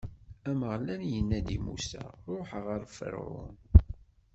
Ameɣlal inna-d i Musa: Ṛuḥ ɣer Ferɛun.